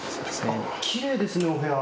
きれいですね、お部屋。